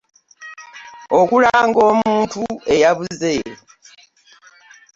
Okulanga omuntu eyabuze